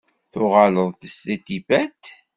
Tuɣaleḍ-d deg Tibet?